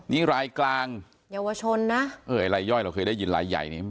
นี่รายกลางเยาวชนนะเออไอลายย่อยเราเคยได้ยินลายใหญ่นี้